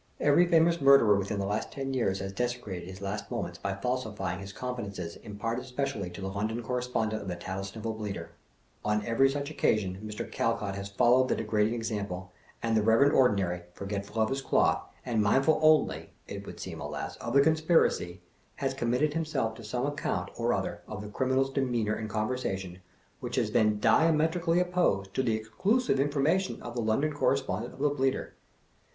Every famous murderer with 30r in the last ten years has desecrated his last moments by falsifying his confidences imparted specially to the London Correspondent of The Tattlesnivel Bleater; on every such occasion, Mr. Calcraf t has followed the degrading example ; and the reverend Ordinary, forgetful of his cloth, and mindful only (it would seem, alas!) of the conspiracy, has committed himself to some account or other of the criminal's demeanor and conversation, which has been diametrically opposed to the exclusive information of the London Cor respondent of the Bleater.